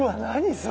それ。